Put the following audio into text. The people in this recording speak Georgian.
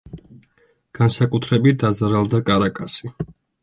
განსაკუთრებით დაზარალდა კარაკასი.